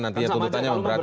nanti tuntutannya memberatkan